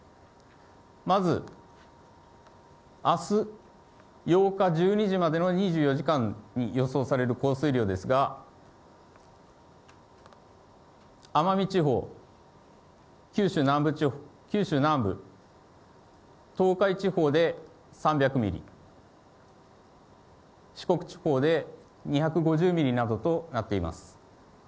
まずあす８日１２時までの２４時間に予想される降水量ですが、奄美地方、九州南部、東海地方で３００ミリ、四国地方で２５０ミリなどとなっています。